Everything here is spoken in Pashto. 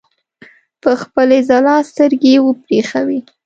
په خپلې ځلا سترګې وبرېښوي.